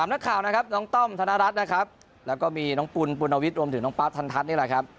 นักข่าวนะครับน้องต้อมธนรัฐนะครับแล้วก็มีน้องปุ่นปุณวิทย์รวมถึงน้องป๊าบทันทัศน์นี่แหละครับ